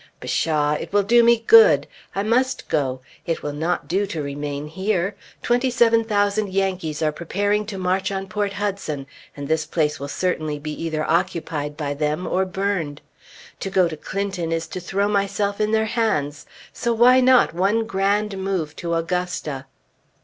Pshaw! it will do me good! I must go. It will not do to remain here. Twenty seven thousand Yankees are preparing to march on Port Hudson, and this place will certainly be either occupied by them, or burned. To go to Clinton is to throw myself in their hands, so why not one grand move to Augusta?